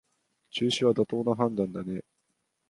中止は妥当な判断だね